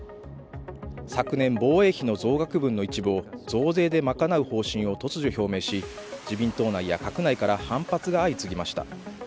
昨年、防衛費の増額分の一部を増税で賄う方針を突如表明し、自民党内や閣内から反発が相次ぎました。